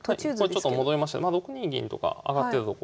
これちょっと戻りましてまあ６二銀とか上がってたとこを。